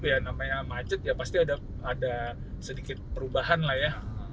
ya namanya macet ya pasti ada sedikit perubahan lah ya